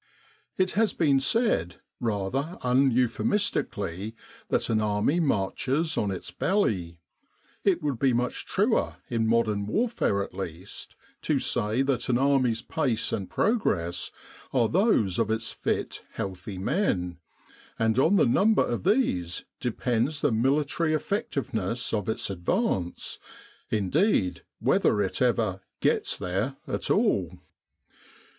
It has been said, rather uneuphemistically, that an army marches on its belly : it would be much truer, K 149 With the R.A.M.C. in Egypt in modern warfare at least, to say that an army's pace and progress are those of its fit, healthy men; and on the number of these depends the military effective ness of its advance, indeed whether it ever "gets there" at all.